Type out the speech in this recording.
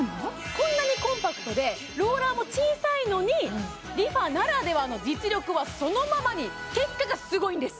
こんなにコンパクトでローラーも小さいのにＲｅＦａならではの実力はそのままに結果がすごいんです